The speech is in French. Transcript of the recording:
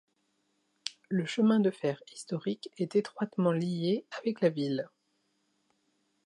Le chemin de fer historique est étroitement lié avec la ville.